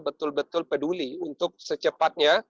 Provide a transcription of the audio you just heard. betul betul peduli untuk secepatnya